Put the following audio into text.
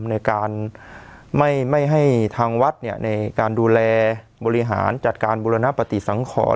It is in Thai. ในการไม่ให้ทางวัดในการดูแลบริหารจัดการบุรณปฏิสังขร